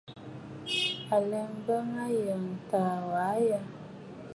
À laà m̀bə Ayɔꞌɔ̀ taa wa aa ɛ?